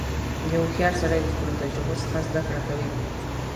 • یو هوښیار سړی د خپلو تجربو څخه زدهکړه کوي.